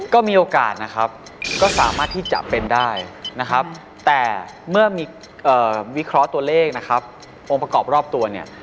ก็มีโอกาสนะครับก็สามารถที่จะเป็นได้นะครับแต่เมื่อมีวิเคราะห์ตัวเลขนะครับองค์ประกอบรอบตัวเนี่ย